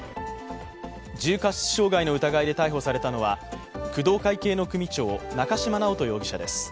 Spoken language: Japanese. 重過失傷害の疑いで逮捕されたのは工藤会系の組長、中島直人容疑者です。